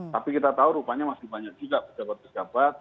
tapi kita tahu rupanya masih banyak juga pejabat pejabat